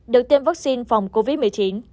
được tiêm vaccine phòng covid một mươi chín